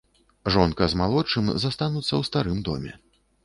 Жонка з малодшым застануцца ў старым доме.